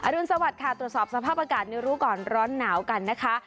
รุนสวัสดิ์ค่ะตรวจสอบสภาพอากาศในรู้ก่อนร้อนหนาวกันนะคะ